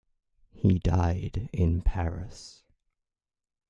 He died in Paris.